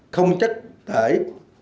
không trách tải